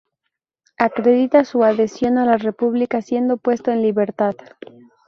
Acredita su adhesión a la República, siendo puesto en libertad.